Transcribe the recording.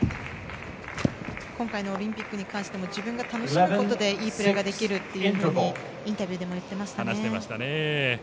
今回のオリンピックに関しても自分が楽しむことでいいプレーができるとインタビューでもいってましたね。